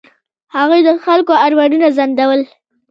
هغوی د خلکو ارمانونه ځنډول.